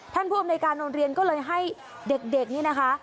ผู้อำนวยการโรงเรียนก็เลยให้เด็กนี่นะคะ